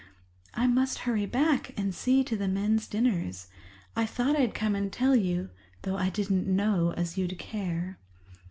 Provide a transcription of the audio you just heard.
"I must hurry back and see to the men's dinners. I thought I'd come and tell you, though I didn't know as you'd care."